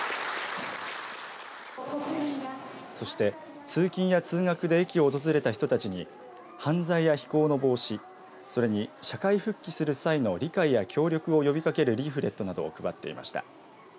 そして通勤や通学で駅を訪れた人たちに犯罪や非行の防止それに社会復帰する際の理解や協力を呼びかけるリーフレットなどを配っていました。